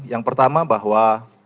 yang pertama bahwa